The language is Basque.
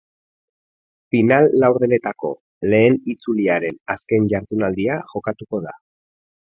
Final-laurdenetako lehen itzuliaren azken jardunaldia jokatuko da.